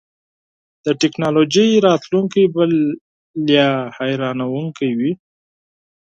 د ټیکنالوژۍ راتلونکی به لا حیرانوونکی وي.